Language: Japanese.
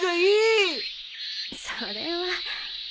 それは。